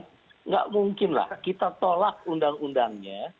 tidak mungkin lah kita tolak undang undangnya